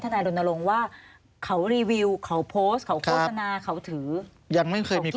ถ้านายรณรงค์ว่าเขารีวิวเขาโพสต์เขาโฆษณาเขาถือ